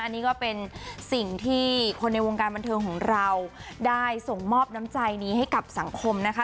อันนี้ก็เป็นสิ่งที่คนในวงการบันเทิงของเราได้ส่งมอบน้ำใจนี้ให้กับสังคมนะคะ